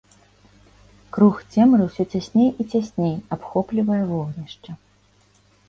Круг цемры ўсё цясней і цясней абхоплівае вогнішча.